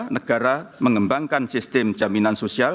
negara mengembangkan sistem jaminan sosial